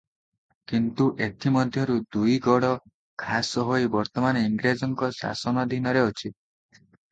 କିନ୍ତୁ ଏଥି ମଧ୍ୟରୁ ଦୁଇ ଗଡ଼ ଖାସ ହୋଇ ବର୍ତ୍ତମାନ ଇଂରେଜଙ୍କ ଶାସନାଧୀନରେ ଅଛି ।